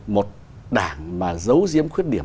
một đảng mà giấu giếm khuyết điểm